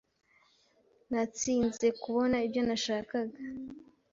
Natsinze kubona ibyo nashakaga.